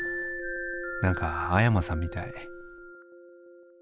なんか阿山さんみたい。